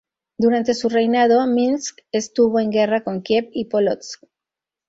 Durante su reinado Minsk estuvo en guerra con Kiev y Pólotsk.